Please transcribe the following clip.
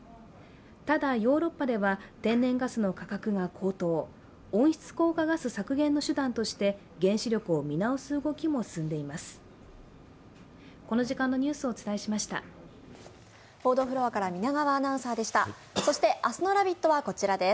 ただ、ヨーロッパでは、天然ガスの価格が高騰温室効果ガス削減の手段として原子力を見直す動きも進んでいます。